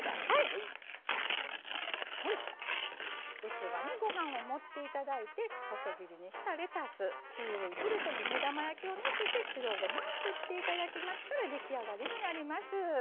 器にご飯を盛って頂いて細切りにしたレタスキウイのプルコギ目玉焼きをのせて白ごまをふって頂きましたら出来上がりになります。